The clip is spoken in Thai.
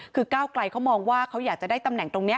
คือก้าวไกลเขามองว่าเขาอยากจะได้ตำแหน่งตรงนี้